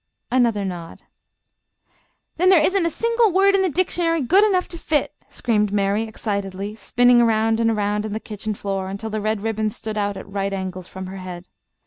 Another nod. "Then there isn't a single word in the dictionary good enough to fit!" screamed Mary, excitedly, spinning around and around in the kitchen floor until the red ribbons stood out at right angles from her head.